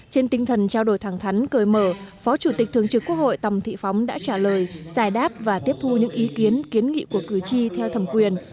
trên tinh thần trao đổi thẳng thắn cởi mở phó chủ tịch thường trực quốc hội tòng thị phóng đã trả lời giải đáp và tiếp thu những ý kiến kiến nghị của cử tri theo thẩm quyền